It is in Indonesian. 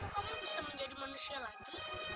kamu bisa menjadi manusia lagi